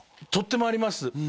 とってもあります